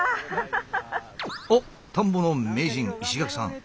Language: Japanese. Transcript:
おっ田んぼの名人石垣さん。